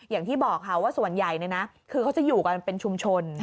อย่างที่บอกค่ะว่าส่วนใหญ่คือเขาจะอยู่กันเป็นชุมชน